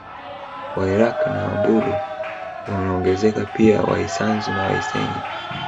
Wairaqw na Wambulu wanaongezeka pia Waisanzu na Waisenye